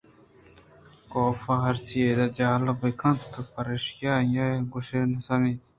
کاف ہرچی اِدا جہلءَبہ کنت پر ایشی آئی ءِ گوش نہ سر اَنت